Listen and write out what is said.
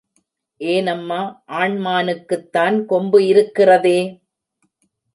ஏனம்மா ஆண் மானுக்குத்தான் கொம்பு இருக்கிறதே!